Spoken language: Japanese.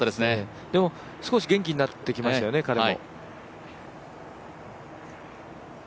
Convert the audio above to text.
でも少し元気になってきましたよね、彼も。